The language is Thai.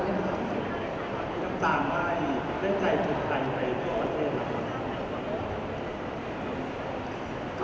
มีลักษณะมากอีกในใจถึงใครไปที่ประโยชน์ของคุณครับ